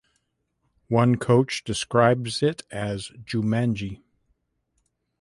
One coach describes it as Jumanji.